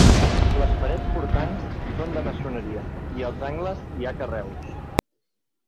Les parets portants són de maçoneria i als angles hi ha carreus.